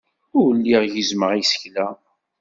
Ur lliɣ gezzmeɣ isekla.